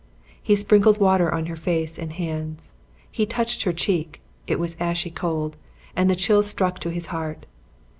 He sprinkled water on her face and hands; he touched her cheek; it was ashy cold, and the chill struck to his heart.